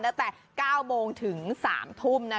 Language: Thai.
ตั้งแต่๙โมงถึง๓ทุ่ม